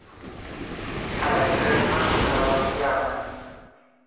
هلک د ژوند زړورتیا ده.